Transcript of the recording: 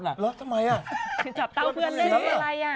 แล้วทำไมอ่ะ